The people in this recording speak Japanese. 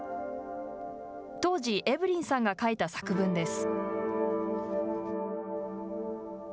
当時、エブリンさんが書いた作文です。